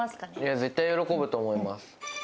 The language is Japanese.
絶対喜ぶと思います。